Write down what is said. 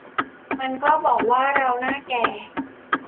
มันก็บอกว่า เราหน้าแก่